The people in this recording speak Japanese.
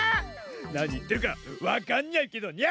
なにいってるかわかんニャいけどニャ。